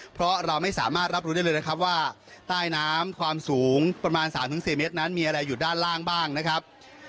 เพราะเราไม่สามารถรับรู้ได้เลยนะครับว่าใต้น้ำความสูงประมาณ๓๔เมตรนั้นมีอะไรอยู่ด้านล่างบ้างนะครับ